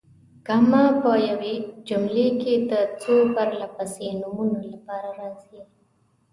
کامه په یوې جملې کې د څو پرله پسې نومونو لپاره راځي.